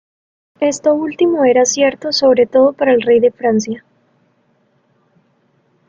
Esto último era cierto sobre todo para el rey de Francia.